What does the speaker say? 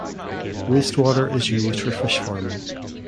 Waste water is used for fish farming.